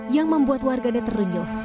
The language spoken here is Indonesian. yang membuat warganya terrenyuh